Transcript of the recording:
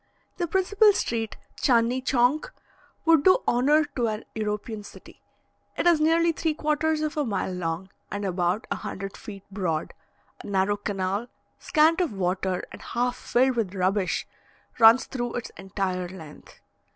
The principal street, Tchandni Tschank, would do honour to an European city: it is nearly three quarters of a mile long, and about a hundred feet broad; a narrow canal, scant of water and half filled with rubbish, runs through its entire length.